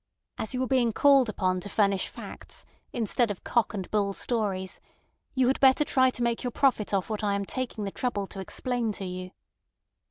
As you are being called upon to furnish facts instead of cock and bull stories, you had better try to make your profit off what I am taking the trouble to explain to you.